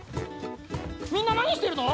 みんななにしてるの？